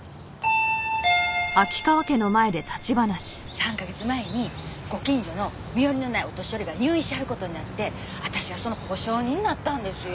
３カ月前にご近所の身寄りのないお年寄りが入院しはる事になって私がその保証人になったんですよ。